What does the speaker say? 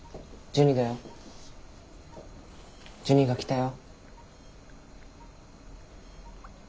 ジュニが来たよ。